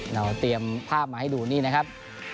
เราเตรียมภาพมาให้ดูนี่นะครับ